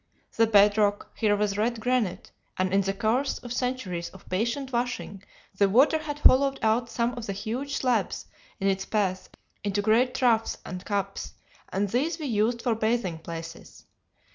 The bed rock here was red granite, and in the course of centuries of patient washing the water had hollowed out some of the huge slabs in its path into great troughs and cups, and these we used for bathing places.